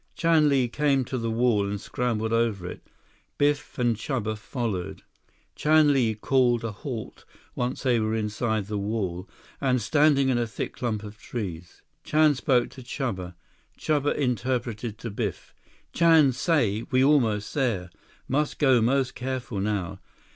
Chan Li came to the wall and scrambled over it. Biff and Chuba followed. Chan Li called a halt once they were inside the wall, and standing in a thick clump of trees. Chan spoke to Chuba. Chuba interpreted to Biff. "Chan say we almost there. Must go most careful now.